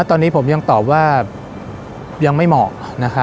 ตอนนี้ผมยังตอบว่ายังไม่เหมาะ